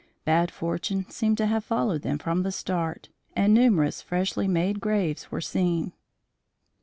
Bad fortune seemed to have followed them from the start, and numerous freshly made graves were seen.